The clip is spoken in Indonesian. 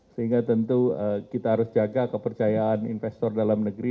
sehingga tentu kita harus jaga kepercayaan investor dalam negeri